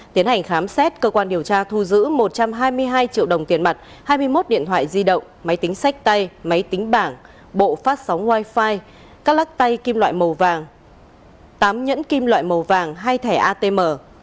tiến hành khám xét cơ quan điều tra thu giữ một trăm hai mươi hai triệu đồng tiền mặt hai mươi một điện thoại di động máy tính sách tay máy tính bảng bộ phát sóng wifi các lắc tay kim loại màu vàng tám nhẫn kim loại màu vàng hai thẻ atm